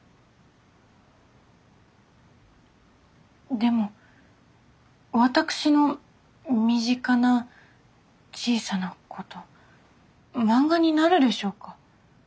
でも私の身近な小さなこと漫画になるでしょうか？